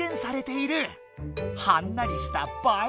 はんなりした「ばえ」